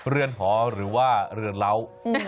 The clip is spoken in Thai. เรือนหอหรือว่าเรือนเล้า